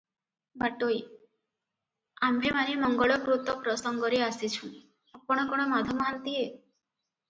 ବାଟୋଇ- ଆମ୍ଭେମାନେ ମଙ୍ଗଳକୃତ୍ୟ ପ୍ରସଙ୍ଗରେ ଆସିଛୁଁ- ଆପଣ କଣ ମାଧ ମହାନ୍ତିଏ?